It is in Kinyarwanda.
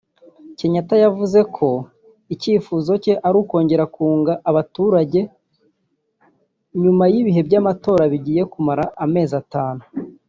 Kenyatta yavuze ko icyifuzo cye ari ukongera kunga abaturage nyuma y’ibihe by’amatora bigiye kumara amezi atanu